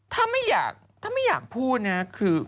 ถ้าไม่อยากพูดนะคือ